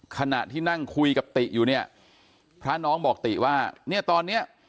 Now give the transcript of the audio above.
ขณะที่นั่งคุยกับติอยู่เนี่ยพระน้องบอกติว่าเนี่ยตอนเนี้ย